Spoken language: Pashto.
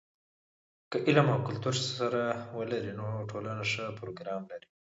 که علم او کلتور سره ولري، نو ټولنه ښه پروګرام لري.